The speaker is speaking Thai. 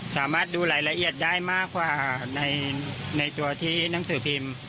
สามารถดูรายละเอียดได้มากกว่าในตัวที่หนังสือพิมพ์